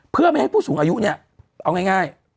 เพื่อไม่ให้ผู้สูงอายุเนี่ยเอาง่าย